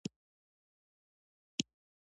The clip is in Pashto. د بدن د پاکوالي لپاره د سدر او اوبو ګډول وکاروئ